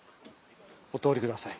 お通りください。